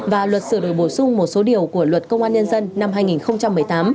và luật sửa đổi bổ sung một số điều của luật công an nhân dân năm hai nghìn một mươi tám